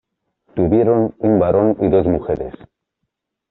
Tuvieron un varón y dos mujeres.